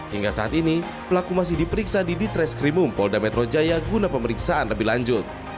hingga saat ini pelaku masih diperiksa di ditreskrimum polda metro jaya guna pemeriksaan lebih lanjut